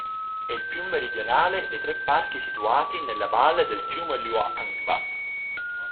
È il più meridionale dei tre parchi situati nella valle del fiume Luangwa.